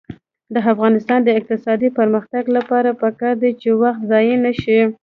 د افغانستان د اقتصادي پرمختګ لپاره پکار ده چې وخت ضایع نشي.